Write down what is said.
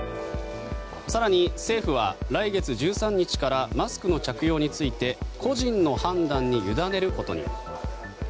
更に政府は、来月１３日からマスクの着用について個人の判断に委ねることに。